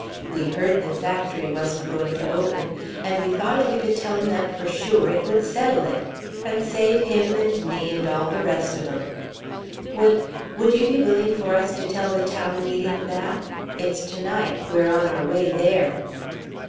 We heard the factory wasn't going to open, and we thought if we could tell 'em that for sure, it would settle it and save him and me and all the rest of 'em. Would would you be willing for us to tell the town meeting that? It's to night we're on the way there."